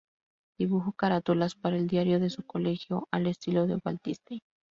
Dibujó carátulas para el diario de su colegio al estilo de Walt Disney.